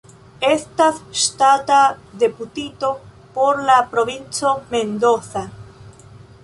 Estas ŝtata deputito por la Provinco Mendoza.